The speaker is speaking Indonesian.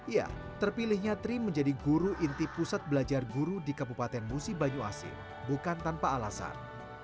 ya terpilihnya tri menjadi guru inti pusat belajar guru di kabupaten musi banyuasin bukan tanpa alasan